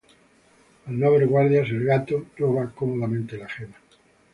Al no haber guardias, el "Gato" roba cómodamente la gema.